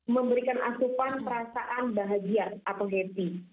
memberikan asupan perasaan bahagia atau happy